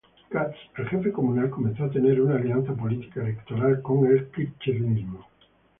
Katz, el jefe comunal comenzó a tejer una alianza política-electoral con el kirchnerismo.